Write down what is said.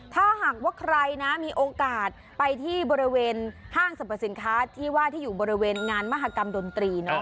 ถ้าหากว่าใครนะมีโอกาสไปที่บริเวณห้างสรรพสินค้าที่ว่าที่อยู่บริเวณงานมหากรรมดนตรี